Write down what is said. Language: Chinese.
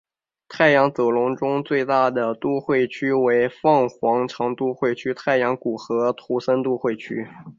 太阳走廊中最大的都会区为凤凰城都会区太阳谷和图森都会区。